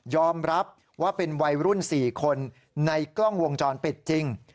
รับว่าเป็นวัยรุ่น๔คนในกล้องวงจรปิดจริง